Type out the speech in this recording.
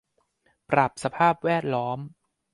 ปรับสภาพแวดล้อม